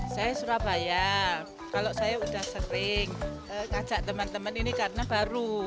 saya surabaya kalau saya sudah sering ajak teman teman ini karena baru